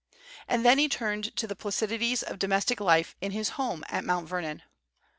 And then he turned to the placidities of domestic life in his home at Mount Vernon.